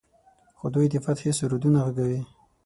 خو دوی د فتحې سرودونه غږوي.